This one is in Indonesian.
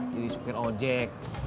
jadi sukir ojek